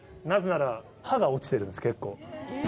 なぜなら、歯が落ちてるんです、結構。